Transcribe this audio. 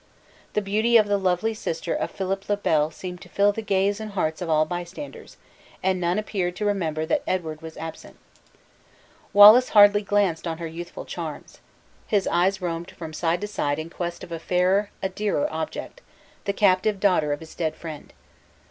The beauty of the lovely sister of Philip le Bel seemed to fill the gaze and hearts of all bystanders, and none appeared to remember that Edward was absent. Wallace hardly glanced on her youthful charms; his eyes roamed from side to side in quest of a fairer, a dearer object the captive daughter of his dead friend!